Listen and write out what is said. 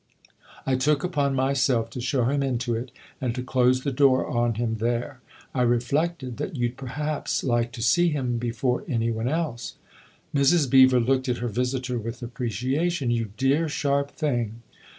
I took upon myself to show him into it and to close the door on him there. I reflected that you'd perhaps like to see him before any one else." Mrs. Beever looked at her visitor with apprecia tion. " You dear, sharp thing